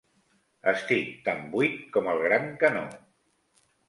Estic tan buit com el Gran canó.